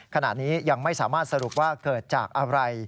ขณะนี้ยังไม่สามารถสรุปว่าเกิดจากอะไร